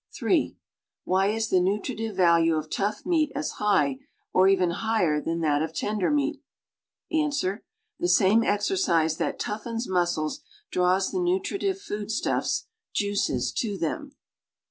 (3) Why is the nutritive value of tough meat as high, or even higher, than that of tender meat.^ Ans. The same exercise that toughens muscles draws the nutri tive foodstuffs (juices) to them.